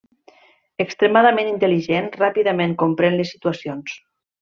Extremadament intel·ligent, ràpidament comprèn les situacions.